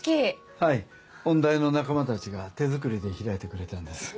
はい音大の仲間たちが手作りで開いてくれたんです。